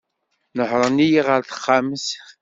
Nehren-iyi ɣer texxamt.